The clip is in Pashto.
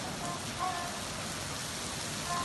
چي شرنګوي په خپله مېنه کي پردۍ زولنې